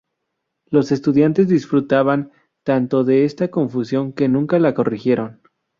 Los estudiantes disfrutaban tanto de esta confusión que nunca la corrigieron.